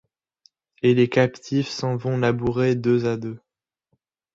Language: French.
Et les captifs s’en vont labourer deux à deux